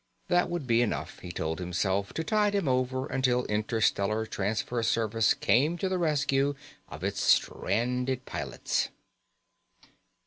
That would be enough, he told himself, to tide him over until Interstellar Transfer Service came to the rescue of its stranded pilots.